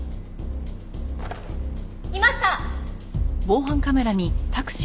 いました！